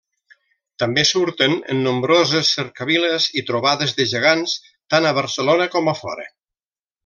També surten en nombroses cercaviles i trobades de gegants, tant a Barcelona com a fora.